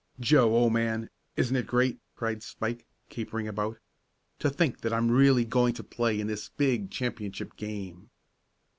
"Joe, old man, isn't it great!" cried Spike, capering about. "To think that I'm really going to play in this big championship game!"